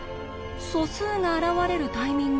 素数が現れるタイミング